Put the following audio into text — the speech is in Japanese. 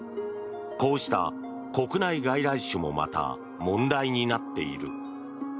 こうした国内外来種もまた問題になっている。